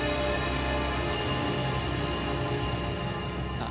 さあ